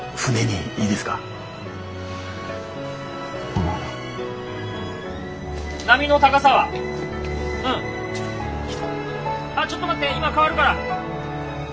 あっちょっと待って今代わるから。